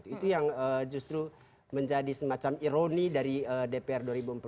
itu yang justru menjadi semacam ironi dari dpr dua ribu empat belas dua ribu sembilan belas